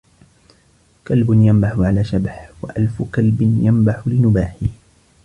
كلب ينبح على شبح وألف كلب ينبح لنباحه.